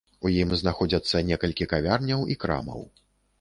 У ім знаходзяцца некалькі кавярняў і крамаў.